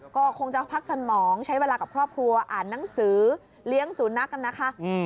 ก็คงจะพักสมองใช้เวลากับครอบครัวอ่านหนังสือเลี้ยงสุนัขกันนะคะ